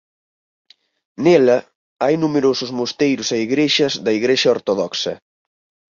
Nela hai numerosos mosteiros e igrexas da Igrexa ortodoxa.